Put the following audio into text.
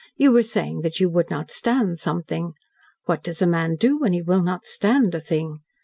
You were saying that you would not 'stand' something. What does a man do when he will not 'stand' a thing?